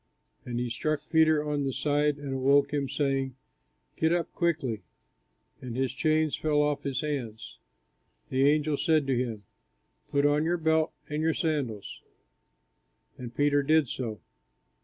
And he struck Peter on the side and awoke him, saying, "Get up quickly." And his chains fell off his hands. The angel said to him, "Put on your belt and your sandals." And Peter did so.